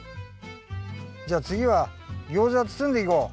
じゃあつぎはギョーザをつつんでいこう。